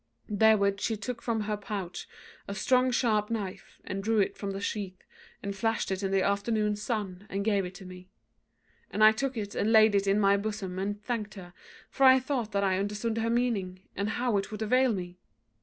Therewith she took from her pouch a strong sharp knife, and drew it from the sheath, and flashed it in the afternoon sun, and gave it to me; and I took it and laid it in my bosom and thanked her; for I thought that I understood her meaning, and how it would avail me.